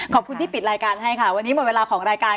ขอบคุณที่ปิดรายการให้ค่ะวันนี้หมดเวลาของรายการ